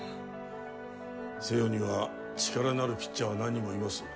星葉には力のあるピッチャーは何人もいます